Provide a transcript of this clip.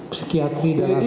psikiatri dan ahli lain